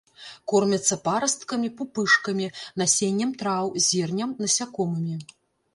Кормяцца парасткамі, пупышкамі, насеннем траў, зернем, насякомымі.